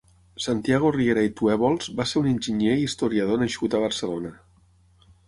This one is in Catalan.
Santiago Riera i Tuèbols va ser un enginyer i historiador nascut a Barcelona.